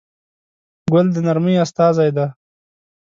ګل د نرمۍ استازی دی.